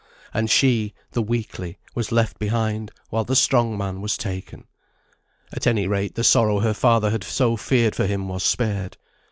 And she, the weakly, was left behind while the strong man was taken. At any rate the sorrow her father had so feared for him was spared.